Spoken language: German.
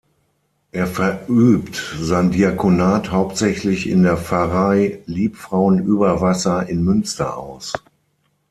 Er verübt sein Diakonat hauptsächlich in der Pfarrei Liebfrauen-Überwasser in Münster aus.